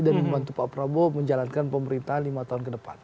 dan membantu pak prabowo menjalankan pemerintahan lima tahun ke depan